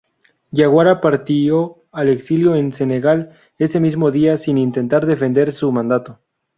Jawara partió al exilio en Senegal ese mismo día, sin intentar defender su mandato.